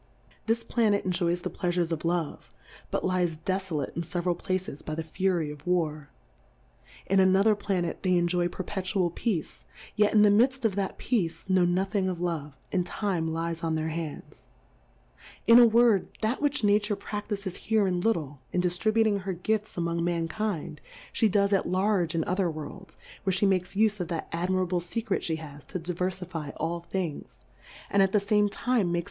This Planet enjoys the Pleafures of Love, but lies defolate in feveral Pla ces by the Fury of War ; in another Pla net they enjoy perpetual Peace, yet in the midft of that Peace, know nothing of Love, and Time lies on their Hands ; in a Word, that which Nature praftifes here in little, in diftributing her Gifts ^mong Mankind ; fbe does at large in other Worlds, w^iere fhe makes ufe of that admirable Secret fhe has to diver fifie all Things, and at the fame Time makes Plurality ^WORLDS.